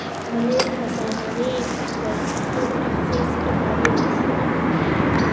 منیر هزاروي د اکول اکسیس اداري مسوول.